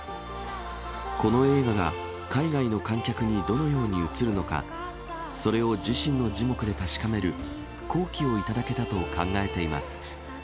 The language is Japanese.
この映画が海外の観客にどのように映るのか、それを自身の耳目で確かめる好機を頂けたと考えています。